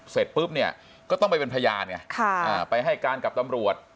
เสร็จปุ๊บเนี่ยก็ต้องไปเป็นพยานไงไปให้การกับตำรวจ